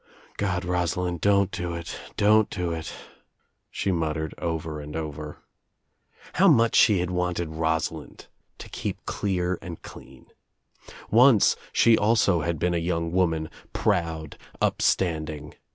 "God, Rosalind, don't do it, don't do it," she mut tered over and over. How much she had wanted Rosalind to keep clear and clean I Once she also had been a young woman, proud, upstanding.